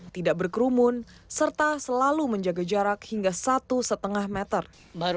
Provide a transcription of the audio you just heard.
tidak berkerumun serta selalu menjaga jarak hingga satu lima meter